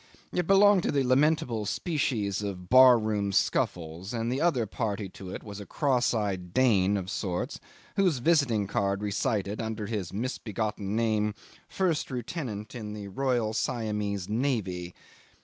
It belonged to the lamentable species of bar room scuffles, and the other party to it was a cross eyed Dane of sorts whose visiting card recited, under his misbegotten name: first lieutenant in the Royal Siamese Navy.